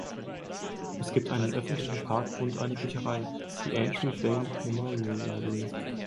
Es gibt einen öffentlichen Park und eine Bücherei, die Andrew Bayne Memorial Library.